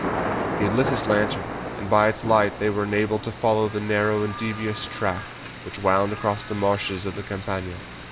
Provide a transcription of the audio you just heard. He had lit his lantern, and by its light they were enabled to follow a narrow and devious track which wound across the marshes of the Campagna.